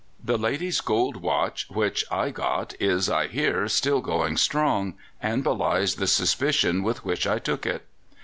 The lady's gold watch which I got is, I hear, still going strong, and belies the suspicion with which I took it.